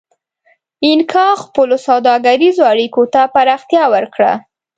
اینکا خپلو سوداګریزو اړیکو ته پراختیا ورکړه.